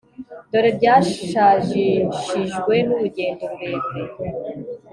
dore byashajishijwe n'urugendo rurerure